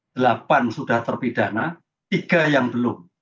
delapan sudah terpidana tiga yang belum